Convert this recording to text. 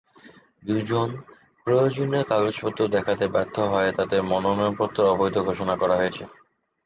দুজন প্রয়োজনীয় কাগজপত্র দেখাতে ব্যর্থ হওয়ায় তাঁদের মনোনয়নপত্র অবৈধ ঘোষণা করা হয়েছে।